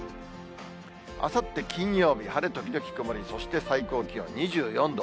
あさって金曜日、晴れ時々曇り、そして最高気温２４度。